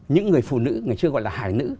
những người phụ nữ ngày xưa gọi là hải nữ